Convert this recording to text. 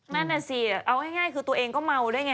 นั่นน่ะสิเอาง่ายคือตัวเองก็เมาด้วยไง